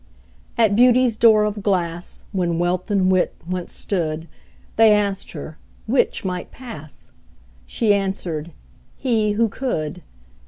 At Beauty's door of glass, When Wealth and Wit once stood, They asked her 'which might pass?" She answered, "he, who could."